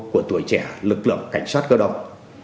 của tuổi trẻ lực lượng cảnh sát cơ động